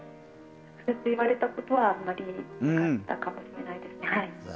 直接言われたことはあんまりなかったかもしれないですね。